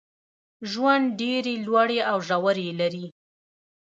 ژوند ډېري لوړي او ژوري لري.